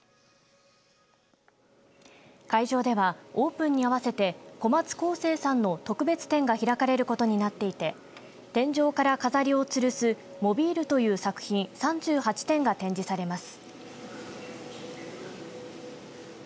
会場ではオープンに合わせて小松宏誠さんの特別展が開かれることになっていて天井から飾りをつるすモビールという作品３８点が展示されます。